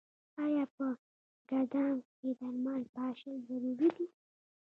آیا په ګدام کې درمل پاشل ضروري دي؟